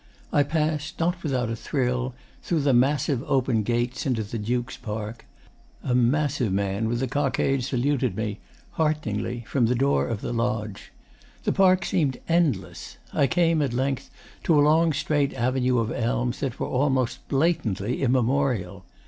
I passed, not without a thrill, through the massive open gates into the Duke's park. A massive man with a cockade saluted me hearteningly from the door of the lodge. The park seemed endless. I came, at length, to a long straight avenue of elms that were almost blatantly immemorial.